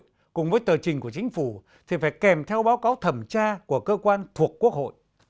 quốc hội cùng với tờ chỉnh của chính phủ thì phải kèm theo báo cáo thẩm tra của cơ quan thuộc quốc hội